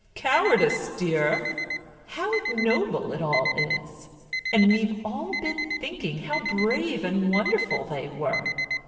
Cowardice, dear! How ignoble it all is. And we've all been thinking how brave and wonderful they were.